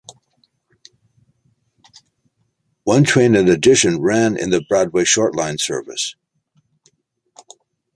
One train in addition ran in the Broadway Short Line service.